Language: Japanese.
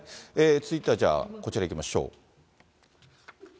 続いてはじゃあ、こちらいきましょう。